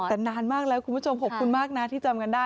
แต่นานมากแล้วคุณผู้ชมขอบคุณมากนะที่จำกันได้